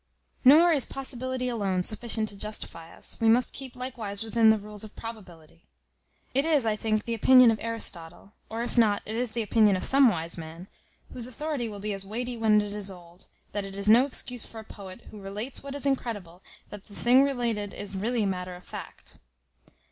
Nor is possibility alone sufficient to justify us; we must keep likewise within the rules of probability. It is, I think, the opinion of Aristotle; or if not, it is the opinion of some wise man, whose authority will be as weighty when it is as old, "That it is no excuse for a poet who relates what is incredible, that the thing related is really matter of fact."